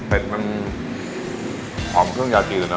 เป็ดมันหอมเครื่องยาจีนเน